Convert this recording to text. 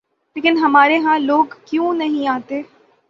لیکن ہمارے ہاں لوگ کیوں نہیں آتے؟